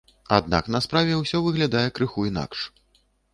Аднак на справе ўсё выглядае крыху інакш.